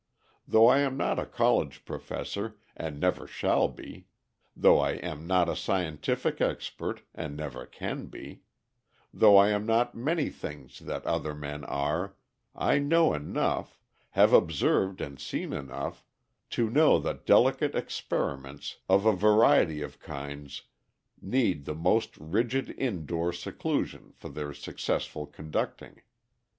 Though I am not a college professor, and never shall be, though I am not a scientific expert, and never can be, though I am not many things that other men are, I know enough have observed and seen enough to know that delicate experiments of a variety of kinds need the most rigid indoor seclusion for their successful conducting.